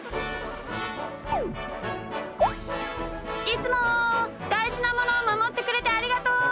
いつもだいじなものをまもってくれてありがとう！